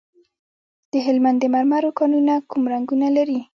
د هلمند د مرمرو کانونه کوم رنګونه لري؟